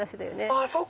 あそっか。